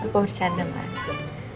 aku bercanda mas